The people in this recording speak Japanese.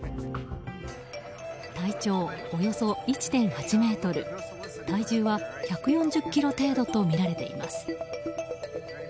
体長およそ１．８ｍ体重は１４０ｋｇ程度とみられています。